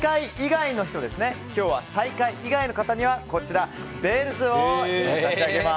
今日は最下位以外の方にはＢＥＬＬＺ！を差し上げます。